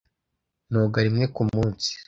Noga rimwe kumunsi.